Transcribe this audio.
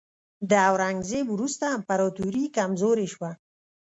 د اورنګزیب وروسته امپراتوري کمزورې شوه.